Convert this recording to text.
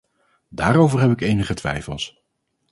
Daarover heb ik enige twijfels.